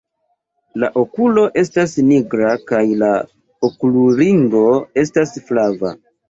La okulo estas nigra kaj la okulringo estas flava.